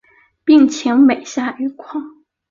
病情每下愈况